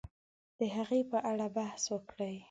د هغې په اړه بحث وکړي